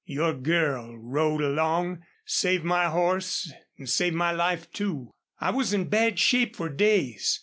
Your girl rode along saved my horse an' saved my life, too. I was in bad shape for days.